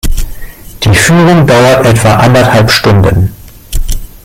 Die Führung dauert etwa anderthalb Stunden.